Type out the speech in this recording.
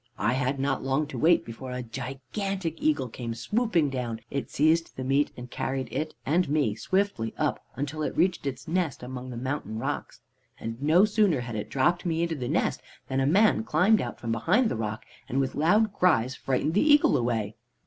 I had not long to wait before a gigantic eagle came swooping down. It seized the meat and carried it and me swiftly up, until it reached its nest high among the mountain rocks. And no sooner had it dropped me into the nest, than a man climbed out from behind the rock, and with loud cries frightened the eagle away.